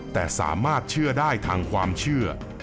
แต่สามารถเชื่อได้ทางความเชื่อ